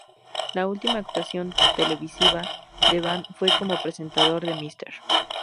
La última actuación televisiva de Van fue como presentador de "Mrs.